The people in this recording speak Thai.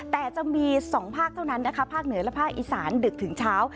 แต่จะมี๒ภาคเท่านั้นนะคะภาคเหนือและภาคอีสานดึกถึงเช้า